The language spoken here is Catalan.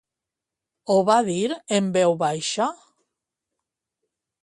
Ho va dir en veu baixa?